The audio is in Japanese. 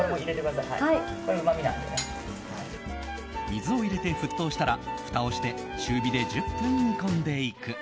水を入れて沸騰したらふたをして中火で１０分煮込んでいく。